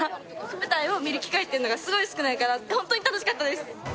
舞台を見る機会がすごい少ないから本当に楽しかったです。